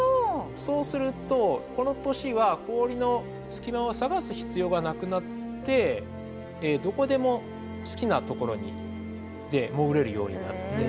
そうするとこの年は氷の隙間を探す必要がなくなってどこでも好きなところに行って潜れるようになって。